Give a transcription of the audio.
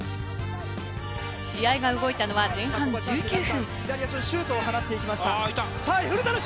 試合が動いたのは前半１９分。